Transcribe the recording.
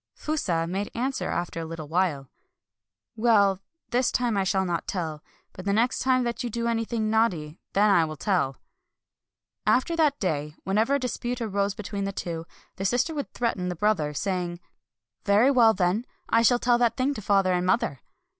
Fusa made answer, after a little while :—" Well, this time I shall not tell. But the next time that you do anything naughty, then I will teU." After that day whenever a dispute arose between the two, the sister would threaten the brother, saying, " Very well, then — I shall THE REBIRTH OF KATSUGORO 279 tell that tiling to father and mother."